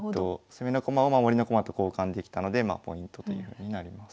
攻めの駒を守りの駒と交換できたのでポイントというふうになります。